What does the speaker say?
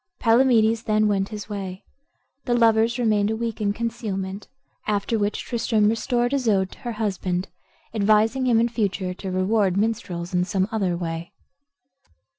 Palamedes then went his way. The lovers remained a week in concealment, after which Tristram restored Isoude to her husband, advising him in future to reward minstrels in some other way.